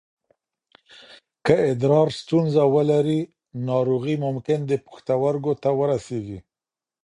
که ادرار ستونزه ولري، ناروغي ممکن د پښتورګو ته ورسېږي.